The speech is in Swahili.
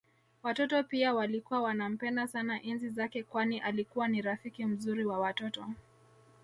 Watoto pia walikuwa wanampenda sana enzi zake kwani alikuwa ni rafiki mzuri wa watoto